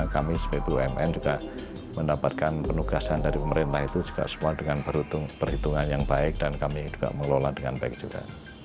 kami sebagai bumn juga mendapatkan penugasan dari pemerintah itu juga semua dengan perhitungan yang baik dan kami juga mengelola dengan baik juga